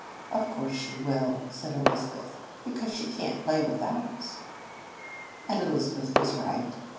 "Of course she will," said Eliza beth, " because she can t play without us." And Elizabeth was right.